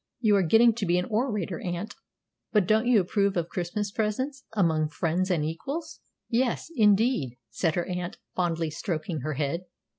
"You are getting to be an orator, aunt; but don't you approve of Christmas presents, among friends and equals?" "Yes, indeed," said her aunt, fondly stroking her head.